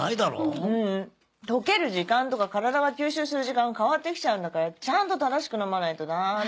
ううん溶ける時間とか体が吸収する時間が変わってきちゃうんだからちゃんと正しく飲まないとダメ！